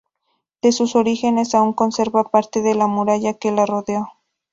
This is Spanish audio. De sus orígenes aún conserva parte de la muralla que la rodeó.